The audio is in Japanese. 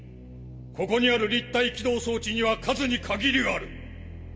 ここにある立体機動装置には数に限りがある！！